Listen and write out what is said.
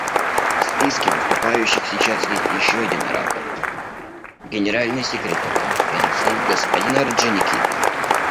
В списке выступающих сейчас есть еще один оратор — Генеральный секретарь Конференции господин Орджоникидзе.